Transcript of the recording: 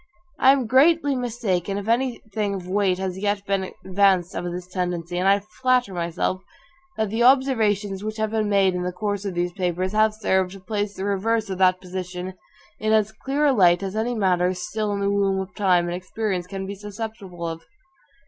I am greatly mistaken, if any thing of weight has yet been advanced of this tendency; and I flatter myself, that the observations which have been made in the course of these papers have served to place the reverse of that position in as clear a light as any matter still in the womb of time and experience can be susceptible of.